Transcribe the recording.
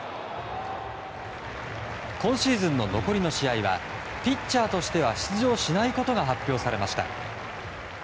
今シーズンの残りの試合はピッチャーとしては出場しないことが発表されました。